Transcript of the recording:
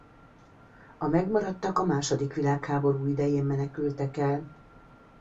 A megmaradtak a második világháború idején menekültek el.